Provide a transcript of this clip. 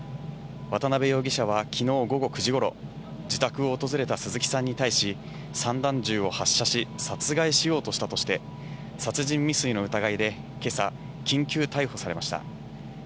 渡辺容疑者はきのう午後９時ごろ、自宅を訪れた鈴木さんに対し、散弾銃を発射し、殺害しようとしたとして、殺人未遂の疑いでけさ、緊急逮捕されました。